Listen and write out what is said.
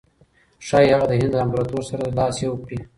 ښایي هغه د هند له امپراطور سره لاس یو کړي.